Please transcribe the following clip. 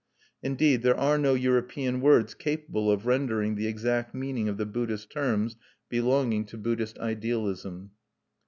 Indeed, there are no European words capable of rendering the exact meaning of the Buddhist terms belonging to Buddhist Idealism.